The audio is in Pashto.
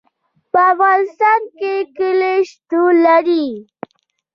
په افغانستان کې کلي شتون لري.